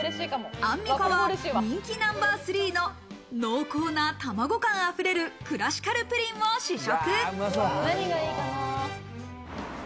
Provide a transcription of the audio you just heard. アンミカは人気ナンバー３の濃厚な卵感溢れる「クラシカルぷりん」を試食。